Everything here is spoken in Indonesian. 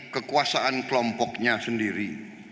kekuasaan kelompoknya sendiri